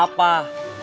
ada masalah apa